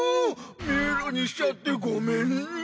迷路にしちゃってごめんね。